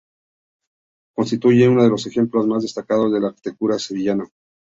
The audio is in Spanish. Constituye uno de los ejemplos más destacados de la arquitectura sevillana.